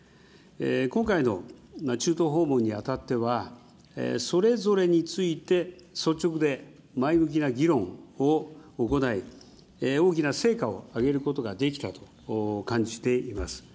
今回の中東訪問にあたっては、それぞれについて率直で前向きな議論を行い、大きな成果を上げることができたと感じています。